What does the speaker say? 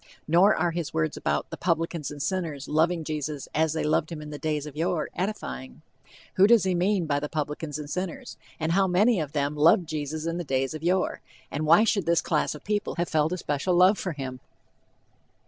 Nor are his words about "the publicans and sinners loving Jesus as they loved him in the days of yore" edifying. Who does he mean by the "publicans and sinners," and how many of them loved Jesus in the days of yore, and why should this class of people have felt a special love for him?